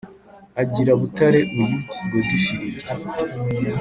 Agira Butare uyu Godifiridi,